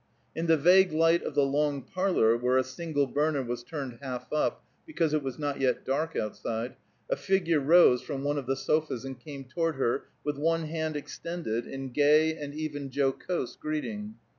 In the vague light of the long parlor, where a single burner was turned half up, because it was not yet dark outside, a figure rose from one of the sofas and came toward her with one hand extended in gay and even jocose greeting.